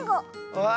わあ！